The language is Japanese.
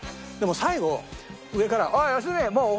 最後上から。